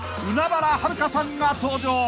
海原はるかさんが登場］